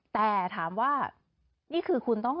แต่ถามว่านี่คือคุณต้อง